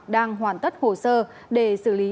đang hoàn tất hồ sơ để xử lý